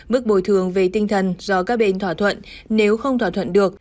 mức bồi thường về tinh thần do các bên thỏa thuận nếu không thỏa thuận được